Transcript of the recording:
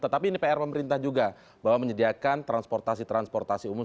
tetapi ini pr pemerintah juga bahwa menyediakan transportasi transportasi umum